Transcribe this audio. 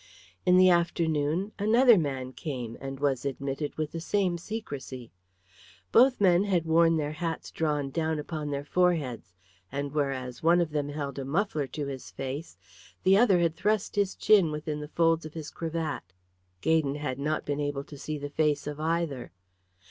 In the afternoon another man came and was admitted with the same secrecy. Both men had worn their hats drawn down upon their foreheads, and whereas one of them held a muffler to his face, the other had thrust his chin within the folds of his cravat. Gaydon had not been able to see the face of either.